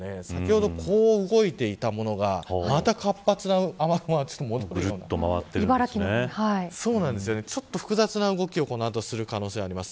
先ほど、こう動いていたものがまた活発な雨雲が戻るという複雑な動きをする可能性がこの後、あります。